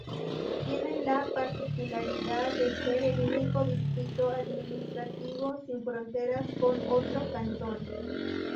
Tiene la particularidad de ser el único distrito administrativo sin fronteras con otro cantón.